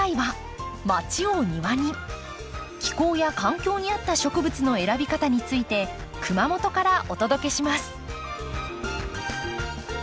気候や環境に合った植物の選び方について熊本からお届けします。